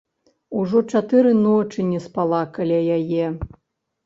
Ужо чатыры ночы не спала каля яе.